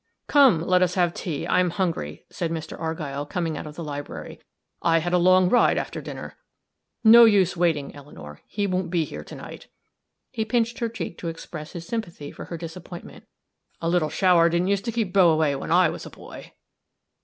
"Come, let us have tea; I am hungry," said Mr. Argyll, coming out of the library. "I had a long ride after dinner. No use waiting, Eleanor he won't be here to night" he pinched her cheek to express his sympathy for her disappointment "a little shower didn't use to keep beaux away when I was a boy."